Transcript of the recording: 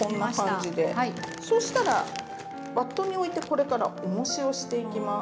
そうしたらバットにおいてこれからおもしをしていきます。